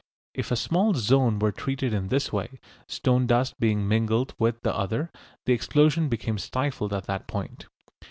If a small zone were treated in this way, stone dust being mingled with the other, the explosion became stifled at that point.